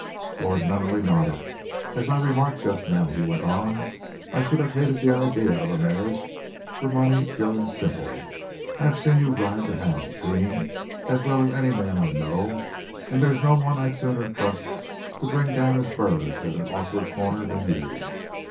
Lord Nunneley nodded. "As I remarked just now," he went on, "I should have hated the idea of a marriage for money pure and simple. I have seen you ride to hounds, Deane, as well as any man I know, and there's no one I'd sooner trust to bring down his birds at an awkward corner than you.